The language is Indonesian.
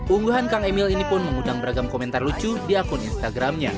ungguhan kang emil ini pun mengundang beragam komentar lucu di akun instagramnya